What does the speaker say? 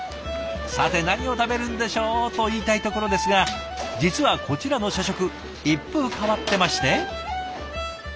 さて何を食べるんでしょうと言いたいところですが実はこちらの社食一風変わってまして。